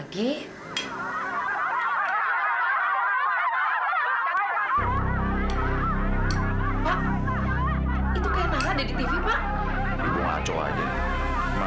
sampai jumpa di video selanjutnya